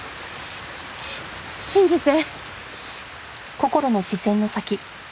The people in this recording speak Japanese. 信じて。